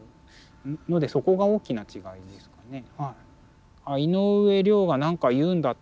のでそこが大きな違いですかね。